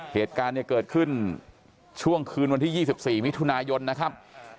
เหตุการณ์เนี่ยเกิดขึ้นช่วงคืนวันที่๒๔มิถุนายนนะครับ